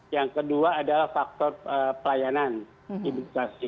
yang kedua adalah faktor pelayanan publikasi